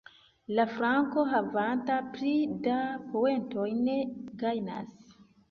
La flanko, havanta pli da poentojn, gajnas.